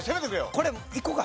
これいこうか。